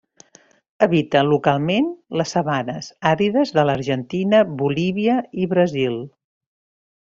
Habita localment les sabanes àrides de l'Argentina, Bolívia i Brasil.